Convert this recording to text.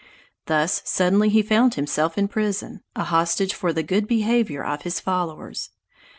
Thus suddenly he found himself in prison, a hostage for the good behavior of his followers.